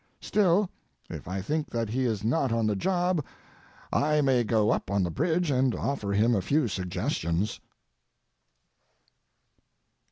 Still, if I think that he is not on the job I may go up on the bridge and offer him a few suggestions.